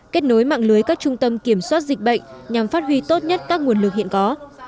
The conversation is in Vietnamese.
kết nối mạng lưới các trung tâm kiểm soát dịch bệnh nhằm phát huy tốt nhất các nguồn lực hiện có